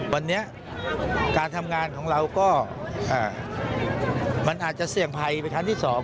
วันนี้การทำงานของเราก็มันอาจจะเสี่ยงภัยไปครั้งที่สอง